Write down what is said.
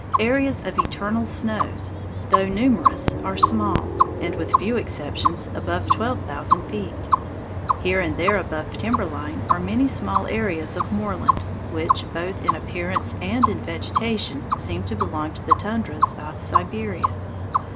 Areas of "eternal snows," though numerous, are small, and with few exceptions, above twelve thousand feet. Here and there above timber line are many small areas of moorland, which, both in appearance and in vegetation, seem to belong in the tundras of Siberia.